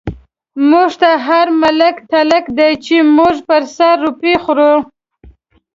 موږ ته هر ملک تلک دی، چی زموږ په سر روپۍ خوری